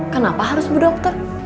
kenapa harus ibu dokter